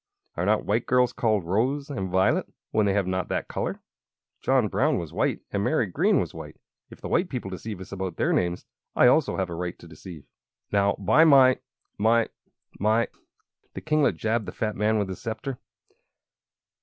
"Are not white girls called Rose and Violet when they have not that color? John Brown was white and Mary Green was white. If the white people deceive us about their names, I also have a right to deceive." "Now, by my my my " The kinglet jabbed the fat man with his sceptre.